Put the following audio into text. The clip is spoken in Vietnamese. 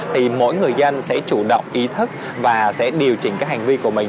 thì mỗi người dân sẽ chủ động ý thức và sẽ điều chỉnh các hành vi của mình